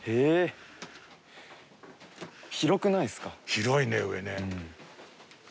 広いね上ね。